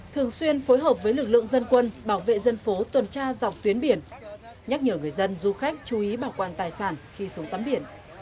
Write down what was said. thường xuyên phối hợp với lực lượng dân quân bảo vệ dân phố tuần tra dọc tuyến biển nhắc nhở người dân du khách chú ý bảo quan tài sản khi xuống tắm biển